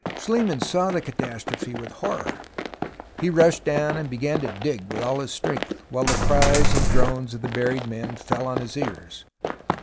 Schlie mann saw the catastrophe with horror. He rushed down and began to dig with all his strength, while the cries and groans of the buried men fell on his ears.